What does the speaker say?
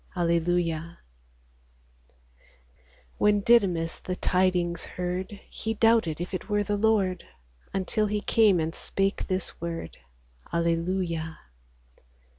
Alleluia ! 45 When Diclymus the tidings heard, He doubted if it were the Lord, Until He came and spake this word :— Alleluia